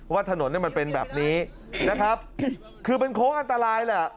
ว่าถนนเนี่ยมันเป็นแบบนี้นะครับคือมันโค้งอันตรายแหละ